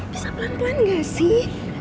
bisa pelan pelan nggak sih